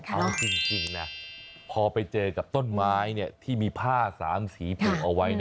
เอาจริงนะพอไปเจอกับต้นไม้ที่มีผ้า๓สีผูกเอาไว้